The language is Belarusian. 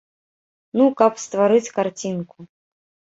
Ну, каб стварыць карцінку.